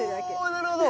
おなるほど。